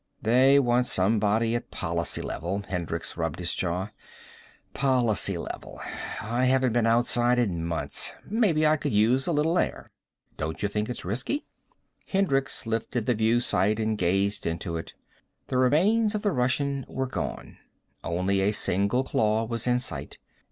"They want somebody at policy level." Hendricks rubbed his jaw. "Policy level. I haven't been outside in months. Maybe I could use a little air." "Don't you think it's risky?" Hendricks lifted the view sight and gazed into it. The remains of the Russian were gone. Only a single claw was in sight.